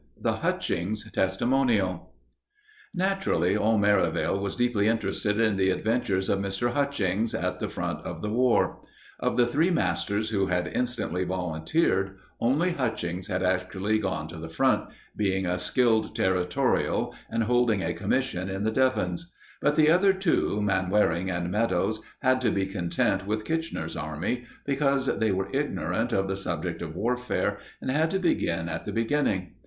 THE HUTCHINGS TESTIMONIAL Naturally, all Merivale was deeply interested in the adventures of Mr. Hutchings at the Front of the War. Of the three masters who had instantly volunteered, only Hutchings had actually gone to the Front, being a skilled territorial and holding a commission in the Devons; but the other two, Manwaring and Meadows, had to be content with Kitchener's Army, because they were ignorant of the subject of warfare and had to begin at the beginning.